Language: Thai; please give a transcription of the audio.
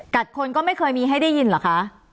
คนก็ไม่เคยมีให้ได้ยินเหรอคะ